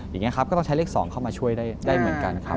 อย่างนี้ครับก็ต้องใช้เลข๒เข้ามาช่วยได้เหมือนกันครับ